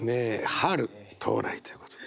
春到来ということで。